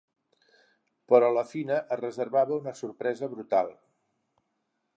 Però la Fina es reservava una sorpresa brutal.